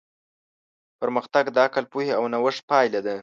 پرمختګ د عقل، پوهې او نوښت پایله ده.